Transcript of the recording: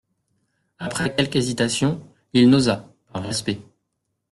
Après quelque hésitation, il n'osa, par respect.